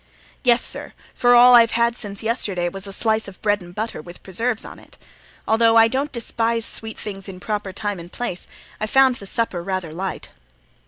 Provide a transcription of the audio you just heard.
"Yes, sir; for all I've had since yesterday was a slice of bread and butter, with preserves on it. Although I don't despise sweet things in proper time and place, I found the supper rather light."